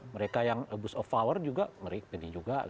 mereka yang abuse of power juga mereka pilih juga